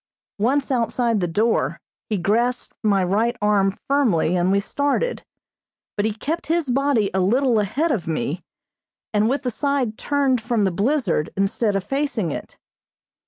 Once outside the door, he grasped my right arm firmly and we started, but he kept his body a little ahead of me, and with side turned from the blizzard instead of facing it.